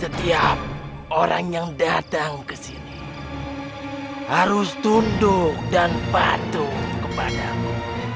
setiap orang yang datang ke sini harus tunduk dan patuh kepadamu